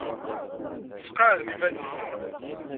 Sqeɛdem iman-nwen.